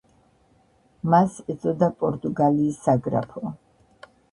მას ეწოდა პორტუგალიის საგრაფო.